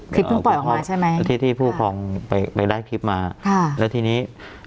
เพิ่งปล่อยออกมาใช่ไหมที่ที่ผู้ครองไปไปได้คลิปมาค่ะแล้วทีนี้